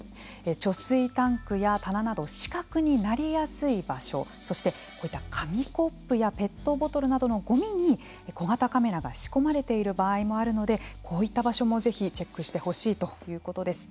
貯水タンクや棚など死角になりやすい場所そして、こういった紙コップやペットボトルなどのごみに小型カメラが仕込まれている場合もあるのでこういった場所もぜひチェックしてほしいということです。